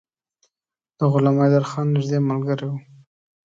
د غلام حیدرخان نیژدې ملګری وو.